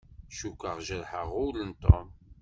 Cukkeɣ jerḥeɣ ul n Tom.